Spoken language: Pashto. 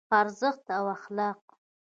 ارزښت او اخلاق